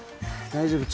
大丈夫